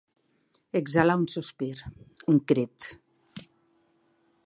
Exhalar un sospir, un crit.